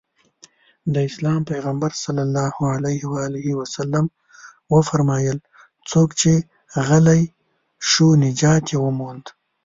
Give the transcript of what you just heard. د اسلام پيغمبر ص وفرمايل څوک چې غلی شو نجات يې ومونده.